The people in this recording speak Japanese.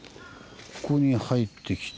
ここに入ってきて。